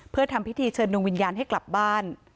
เพื่อทำพิธีเชิญดวงวิญญาณให้กลับบ้าน